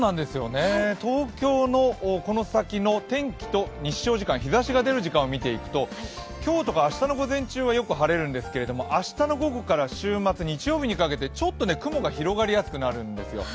東京のこの先の天気と日照時間、日ざしが出る時間を見ていくと今日とか明日の午前中はよく晴れるんですが明日の午後から週末日曜日にかけてちょっと雲が広がりやすくなるんですよ。